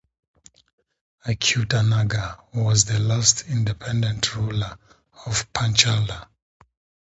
Achyuta Naga was the last independent ruler of Panchala.